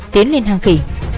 tiến lên hang khỉ